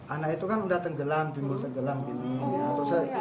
anak itu kan sudah tenggelam bingung tenggelam gini